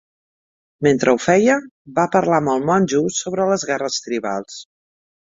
Mentre ho feia, va parlar amb el monjo sobre les guerres tribals.